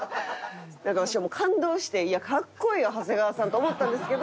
だから私は感動して「かっこいいよ長谷川さん」と思ったんですけど。